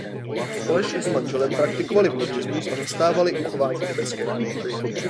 Společně s manželem praktikovali buddhismus a zastávali uchování tibetské kultury.